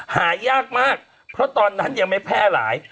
หายากมากเพราะตอนนั้นยังไม่แพร่หลาย